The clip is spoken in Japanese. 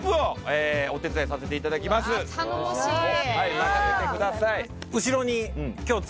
任せてください。